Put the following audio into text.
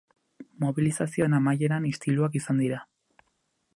Mobilizazioen amaieran istiluak izan dira.